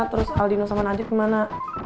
terus aldino sama nadit gimana